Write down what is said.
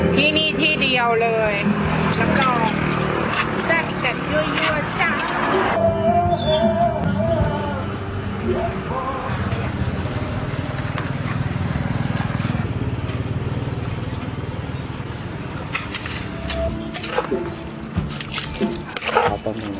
ที่นี่ที่เดียวเลยแล้วก็สร้างอีกแสดงยื้อยื้อจ้ะ